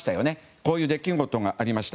こういう出来事がありました。